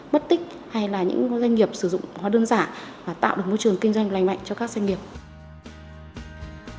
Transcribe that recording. mất tích hay là những doanh nghiệp sử dụng hóa đơn giả và tạo được môi trường kinh doanh lành mạnh cho các doanh nghiệp